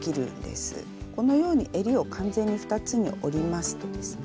このようにえりを完全に２つに折りますとですね